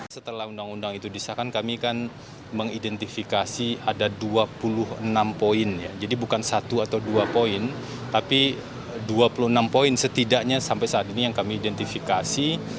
setelah undang undang itu disahkan kami kan mengidentifikasi ada dua puluh enam poin ya jadi bukan satu atau dua poin tapi dua puluh enam poin setidaknya sampai saat ini yang kami identifikasi